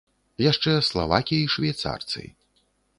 Яшчэ славакі і швейцарцы.